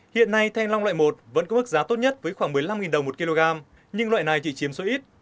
hiện nay thanh long loại một vẫn có mức giá tốt nhất với khoảng một mươi năm đồng một kg nhưng loại này chỉ chiếm số ít